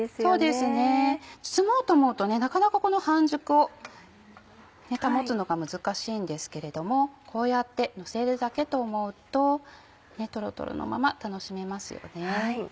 そうですね包もうと思うとなかなかこの半熟を保つのが難しいんですけれどもこうやってのせるだけと思うとトロトロのまま楽しめますよね。